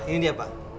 ini dia pak